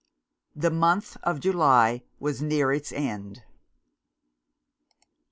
The month of July was near its end.